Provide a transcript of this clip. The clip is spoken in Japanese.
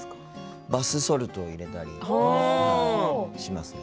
バスソルトを入れたりします。